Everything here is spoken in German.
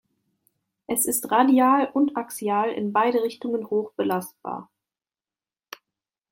Es ist radial und axial in beide Richtungen hoch belastbar.